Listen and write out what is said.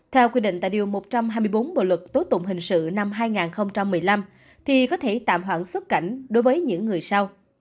theo quy định tại điều một trăm hai mươi bốn bộ luật tố tụng hình sự năm hai nghìn một mươi năm thì có thể tạm hoãn xuất cảnh đối với những người sau